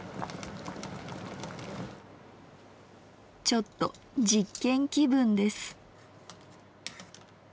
ちょっと実験気分です。